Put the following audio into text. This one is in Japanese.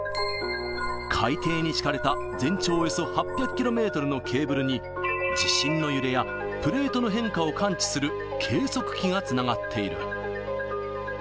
海底に敷かれた全長およそ８００キロメートルのケーブルに、地震の揺れや、プレートの変化を感知する計測器がつながっている。